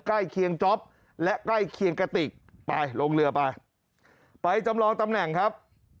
ใกล้เคียงจ๊อปและใกล้เคียงกระติกไปลงเรือไปไปจำลองตำแหน่งครับ